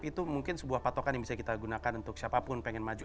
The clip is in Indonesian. itu mungkin sebuah patokan yang bisa kita gunakan untuk siapapun pengen maju